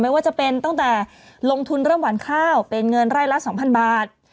ว่าจะเป็นตั้งแต่ลงทุนเริ่มหวานข้าวเป็นเงินไร่ละ๒๐๐บาท